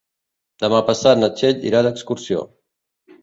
Demà passat na Txell irà d'excursió.